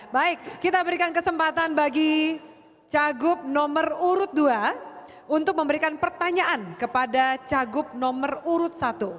baik kita berikan kesempatan bagi cagup nomor urut dua untuk memberikan pertanyaan kepada cagup nomor urut satu